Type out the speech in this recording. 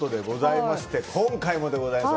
今回もでございます。